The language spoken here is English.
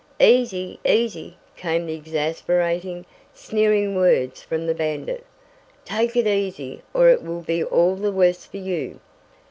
"Easy, easy," came the exasperating, sneering words from the bandit. "Take it easy or it will be all the worse for you.